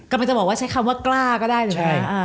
ก็มันจะบอกว่าใช้คำว่ากล้าก็ได้เลยนะ